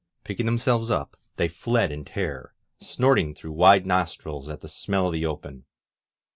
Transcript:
Picking themselves up, they fled in terror, snorting through wide nostrils at the smell of the open.